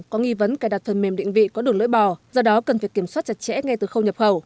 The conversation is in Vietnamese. có nghi vấn cài đặt phần mềm định vị có đường lưỡi bò do đó cần phải kiểm soát chặt chẽ ngay từ khâu nhập khẩu